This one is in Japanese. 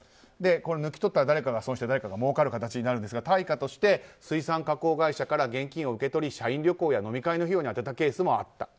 抜き取られた誰かが損をして誰かがもうかる形になるんですが対価として水産加工会社から現金を受け取って社員旅行や飲み会に充てたケースもあった。